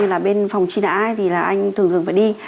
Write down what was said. như là bên phòng truy nã thì là anh thường thường phải đi